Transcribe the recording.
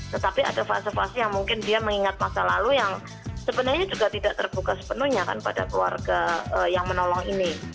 tetapi ada fase fase yang mungkin dia mengingat masa lalu yang sebenarnya juga tidak terbuka sepenuhnya kan pada keluarga yang menolong ini